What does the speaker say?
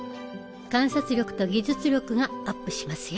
観察力と技術力がアップしますよ。